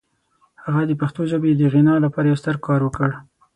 هغه د پښتو ژبې د غنا لپاره یو ستر کار وکړ.